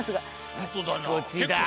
本当だな。